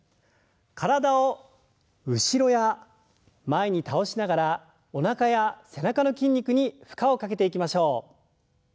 体を後ろや前に倒しながらおなかや背中の筋肉に負荷をかけていきましょう。